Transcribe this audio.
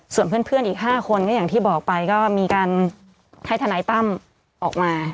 ส่วนเพื่อนอีก๕คนก็อย่างที่บอกไปก็มีการให้ทนายตั้มออกมา